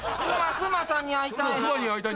クマさんに会いたい。